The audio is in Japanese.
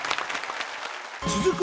続く